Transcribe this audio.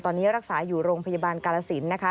ตอนนี้รักษาอยู่โรงพยาบาลกาลสินนะคะ